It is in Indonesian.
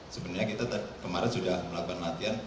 sebenarnya kita kemarin sudah melakukan latihan